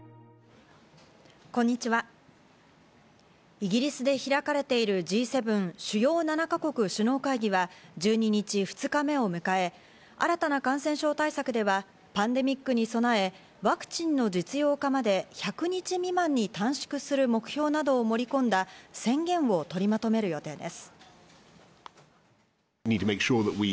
イギリスで開かれているＧ７＝主要７か国首脳会議は１２日、２日目を迎え、新たな感染症対策ではパンデミックに備え、ワクチンの実用化まで１００日未満に短縮する目標などを盛り込んだ宣言を取りまとめる予定です。